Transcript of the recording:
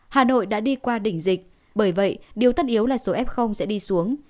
hà nội đã đi qua đỉnh dịch bởi vậy điều tất yếu là số f sẽ đi xuống